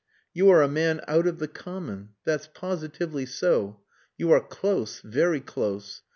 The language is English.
You are a man out of the common. That's positively so. You are close, very close.